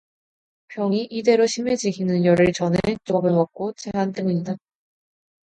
병이 이대도록 심해지기는 열흘 전에 조밥을 먹고 체한 때문이다.